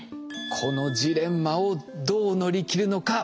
このジレンマをどう乗り切るのか？